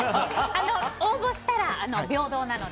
応募したら平等なので。